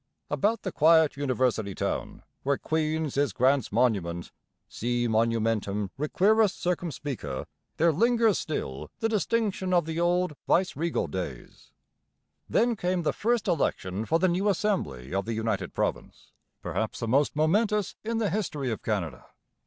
About the quiet university town, where Queen's is Grant's monument si monumentum requiris, circumspice there lingers still the distinction of the old vice regal days. Then came the first election for the new Assembly of the united province, perhaps the most momentous in the history of Canada.